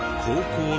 高校？